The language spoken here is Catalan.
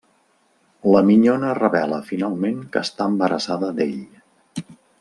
La minyona revela finalment que està embarassada d'ell.